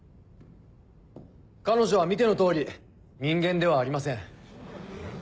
彼女は見ての通り人間ではありません。